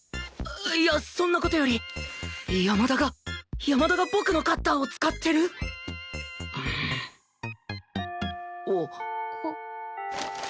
いやそんな事より山田が山田が僕のカッターを使ってるあっ。